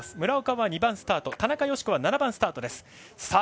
村岡は２番スタート田中佳子は７番スタート。